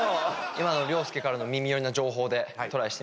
今の涼介からの耳寄りな情報でトライしてみたいと思います。